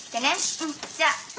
うんじゃあ。